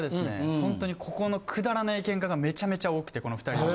ほんとにここのくだらないケンカがめちゃめちゃ多くてこの２人の。え！